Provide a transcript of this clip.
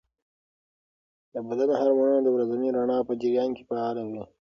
د بدن هارمونونه د ورځني رڼا په جریان کې فعاله وي.